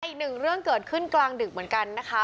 อีกหนึ่งเรื่องเกิดขึ้นกลางดึกเหมือนกันนะคะ